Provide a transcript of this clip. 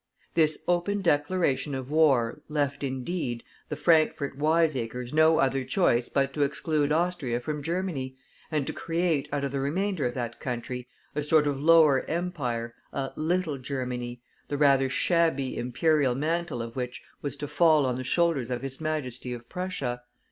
This open declaration of war left, indeed, the Frankfort wiseacres no other choice but to exclude Austria from Germany, and to create out of the remainder of that country a sort of lower empire, a "little Germany," the rather shabby Imperial mantle of which was to fall on the shoulders of His Majesty of Prussia.